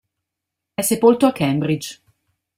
È sepolto a Cambridge.